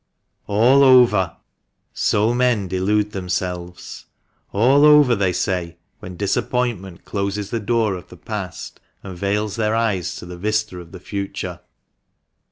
All over! so men delude themselves. "All over!" they say, when disappointment closes the door of the past, and veils their eyes to the vista of the future.